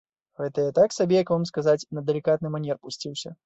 Гэта я так сабе, як вам сказаць, на далікатны манер пусціўся.